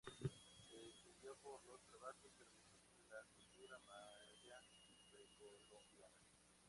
Se distinguió por los trabajos que realizó sobre la cultura maya precolombina.